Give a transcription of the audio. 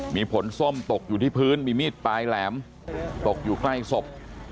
มีผลส้มตกอยู่ที่พื้นมีมีดปลายแหลมตกอยู่ใกล้ศพ